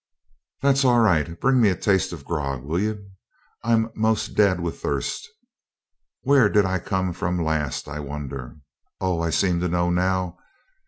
'That's all right. Bring me a taste of grog, will ye; I'm a'most dead with thirst. Where did I come from last, I wonder? Oh, I seem to know now.